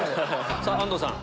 さぁ安藤さん